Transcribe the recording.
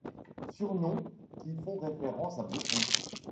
Surnoms qui font référence à Bruce Lee.